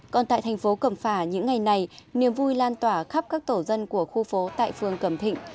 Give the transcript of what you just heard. còn tại thành phố cẩm phả những ngày này niềm vui lan tỏa khắp các tổ dân của khu phố tại phường cẩm thịnh